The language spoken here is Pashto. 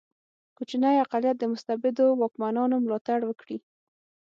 کوچنی اقلیت د مستبدو واکمنانو ملاتړ وکړي.